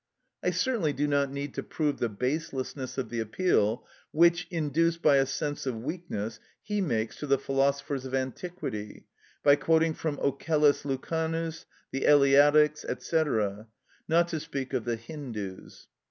I certainly do not need to prove the baselessness of the appeal which, induced by a sense of weakness, he makes to the philosophers of antiquity, by quoting from Ocellus Lucanus, the Eleatics, &c., not to speak of the Hindus.